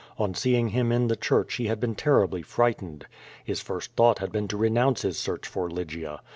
On seeing him in the church he had been terribly frightened. His first thought had been to renouncie his search for Lygia.